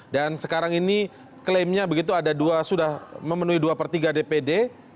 dan sekarang ini klaimnya begitu ada dua sudah memenuhi dua per tiga dpd